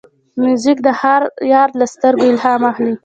موزیک د یار له سترګو الهام اخلي.